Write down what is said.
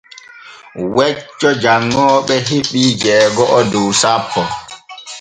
Wecco janŋooɓe heɓii jeego’o dow sappo.